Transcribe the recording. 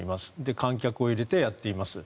観客を入れてやっています。